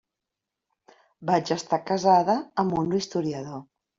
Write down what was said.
Vaig estar casada amb un historiador.